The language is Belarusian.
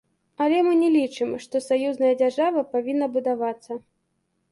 Але мы не лічым, што саюзная дзяржава павінна будавацца.